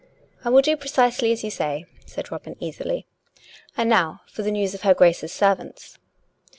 " I will do precisely as you say," said Robin easily. " And now for the news of her Grace's servants."